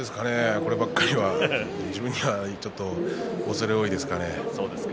こればかりは自分にはちょっと恐れ多いですかね。